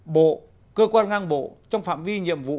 bộ cơ quan ngang bộ trong phạm vi nhiệm vụ